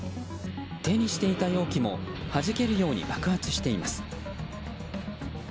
手にしていた容器もはじけるように爆発しています。